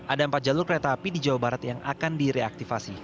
ada empat jalur kereta api di jawa barat yang akan direaktivasi